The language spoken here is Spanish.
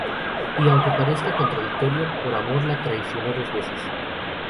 Y, aunque parezca contradictorio, por amor la traicionó dos veces.